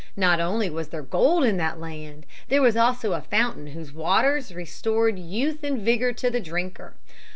Not only was there gold in that land; there was also a fountain whose waters restored youth and vigor to the drinker.